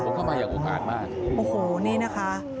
เข้ามาอยากโอกาสมา